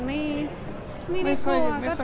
คะเญลียแต่